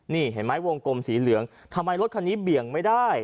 นี่เห็นไหมวงกลมสีเหลืองทำไมรถคันนี้เบี่ยงไม่ได้